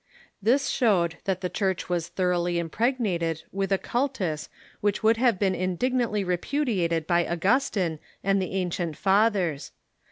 This showed that the Church was thoroughly im pregnated with a cultus which would have been indignantly repudiated by Augustine and the ancient Fathers.